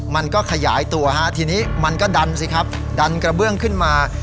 มันก็ขยายตัวฮะทีนี้มันก็ดันสิครับดันกระเบื้องขึ้นมา